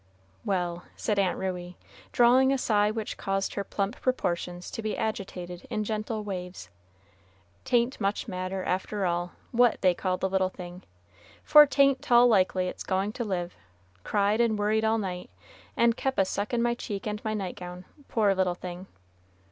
"Well," said Aunt Ruey, drawing a sigh which caused her plump proportions to be agitated in gentle waves, "'tain't much matter, after all, what they call the little thing, for 'tain't 'tall likely it's goin' to live, cried and worried all night, and kep' a suckin' my cheek and my night gown, poor little thing!